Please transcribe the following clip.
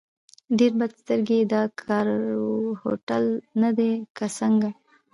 ډېر بد سترګی یې، دا کاوور هوټل نه دی که څنګه؟